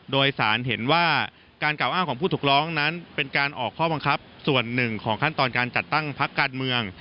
โดยสารเห็นว่าการกล่าวอ้างของผู้ถูกร้องนั้นเป็นการออกข้อบังคับส่วนหนึ่งของขั้นตอนการจัดตั้งพักการเมือง